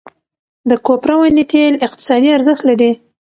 د کوپره ونې تېل اقتصادي ارزښت لري.